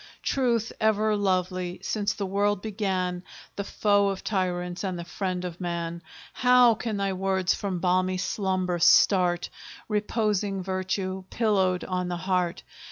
Truth, ever lovely, since the world began, The foe of tyrants, and the friend of man, How can thy words from balmy slumber start Reposing Virtue, pillowed on the heart!